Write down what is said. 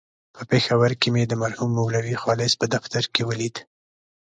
په پېښور کې مې د مرحوم مولوي خالص په دفتر کې ولید.